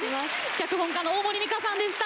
脚本家の大森美香さんでした。